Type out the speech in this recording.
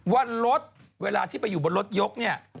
ว่ารถเวลาที่ไปอยู่บนรถยกเนี่ย